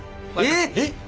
えっ！